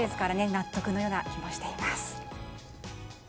納得のような気もしています。